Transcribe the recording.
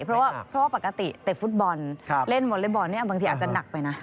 เพราะว่าปกติเต็บฟุตบอลเล่นหมดเล่นบอลบางทีอาจจะหนักไปนะ